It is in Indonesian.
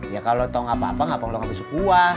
ya kalau tau gak apa apa ngapa lo gak besuk gue